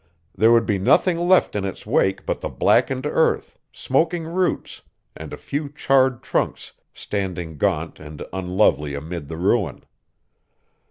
There would be nothing left in its wake but the blackened earth, smoking roots, and a few charred trunks standing gaunt and unlovely amid the ruin.